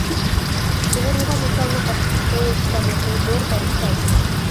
سۇغىرىلغان مېتالنىڭ قاتتىقلىقى، چىداملىقى زور دەرىجىدە ئاشىدۇ.